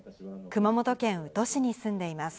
熊本県宇土市に住んでいます。